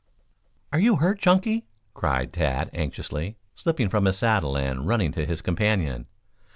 "Are you hurt, Chunky?" cried Tad anxiously, slipping from his saddle and running to his companion.